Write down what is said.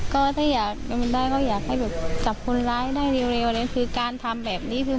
ก็ถ้าอยากเป็นได้ก็อยากให้แบบจับคนร้ายได้เร็วเลยคือการทำแบบนี้คือ